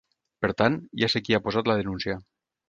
Per tant, ja sé qui ha posat la denúncia.